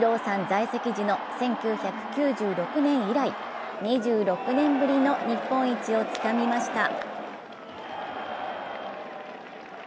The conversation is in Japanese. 在籍時の１９９６年以来２６年ぶりの日本一をつかみました。